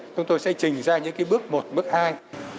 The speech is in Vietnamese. chúng tôi sẽ trình ra những bước một bước hai